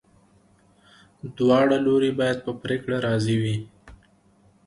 دواړه لوري باید په پریکړه راضي وي.